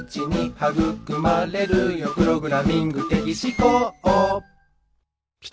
「はぐくまれるよプロミング的思考」